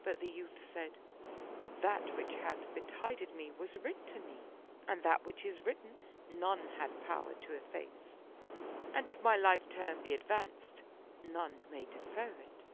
But the youth said, "" That which hath betided me was writ to me and that which is written none hath power to efface ; and if my life term be advanced, none may defer it."